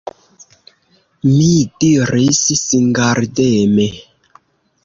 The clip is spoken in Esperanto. Mi diris, singardeme!